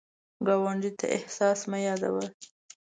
ګاونډي ته احسان مه یادوه